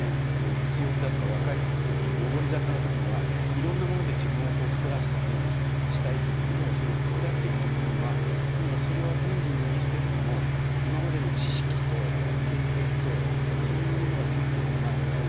物欲だとか若い時上り坂の時にはいろんなもので自分を太らしたりしたいけれども下っていく時にはそれは全部脱ぎ捨ててでも今までの知識と経験とそういうものが付いてるから物に頼らなくても今度は下っていけるという